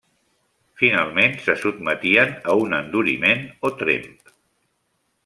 Finalment se sotmetien a un enduriment o tremp.